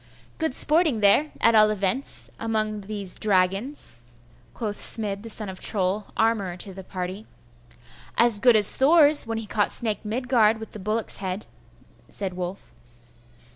'Good sporting there, at all events, among these dragons,' quoth Smid the son of Troll, armourer to the party. 'As good as Thor's when he caught Snake Midgard with the bullock's head,' said Wulf.